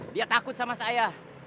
dia takut sama saya